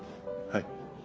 はい。